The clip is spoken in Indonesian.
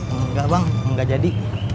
enggak bang enggak jadi